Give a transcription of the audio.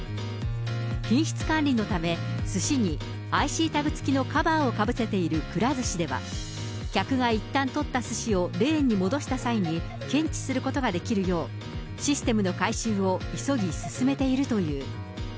品質管理のため、すしにＩＣタグ付きのカバーをかぶせているくら寿司では、客がいったん取ったすしをレーンに戻した際に検知することができるよう、システムの改修を急ぎ進めているという。